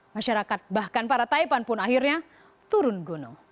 masyarakat bahkan para taipan pun akhirnya turun gunung